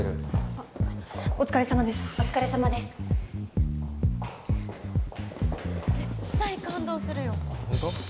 あお疲れさまですお疲れさまです絶対感動するよホント？